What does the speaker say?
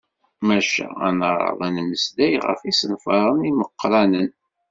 Maca ad neɛreḍ ad d-nemmeslay ɣef yisenfaren imeqqranen.